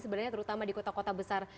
sebenarnya terutama di kota kota besar